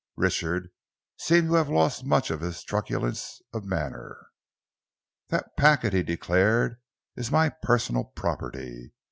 Richard seemed to have lost much of his truculence of manner. "That packet," he declared, "is my personal property.